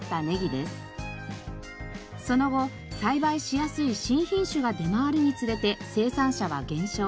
その後栽培しやすい新品種が出回るにつれて生産者は減少。